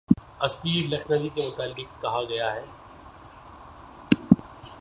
اسیر لکھنوی کے متعلق کہا گیا ہے